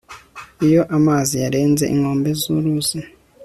iyo amazi yarenze inkombe z'uruzi